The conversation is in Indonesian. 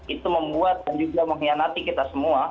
itu membuat dan juga mengkhianati kita semua